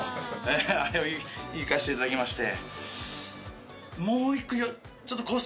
あれをいかせていただきまして。